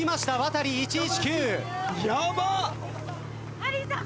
ハリーさん